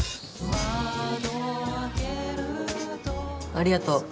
ありがとう。